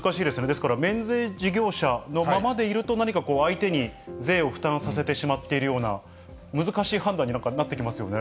ですから、免税事業者のままでいると、何か相手に税を負担させてしまっているような、難しい判断に、なんかなってきますよね。